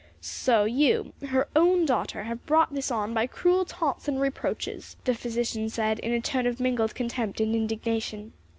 "So you, her own daughter, have brought this on by cruel taunts and reproaches!" the physician said in a tone of mingled contempt and indignation.